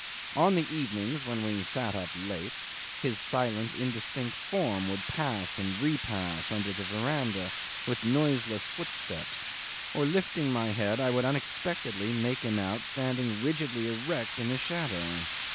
On the evenings when we sat up late, his silent, indistinct form would pass and repass under the verandah, with noiseless footsteps, or lifting my head I would unexpectedly make him out standing rigidly erect in the shadow.